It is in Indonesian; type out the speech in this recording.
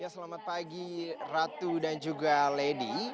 selamat pagi ratu dan juga lady